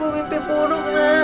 ibu baik ibu